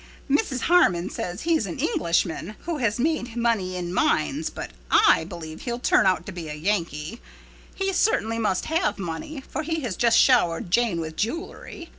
Mrs. Harmon says he's an Englishman who has made money in mines but I believe he'll turn out to be a Yankee. He certainly must have money, for he has just showered Jane with jewelry.